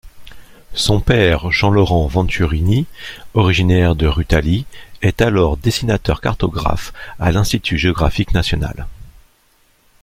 Son père, Jean-Laurent Venturini, originaire de Rutali, est alors dessinateur-cartographe à l'Institut géographique national.